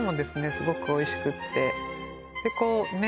すごくおいしくってでこうね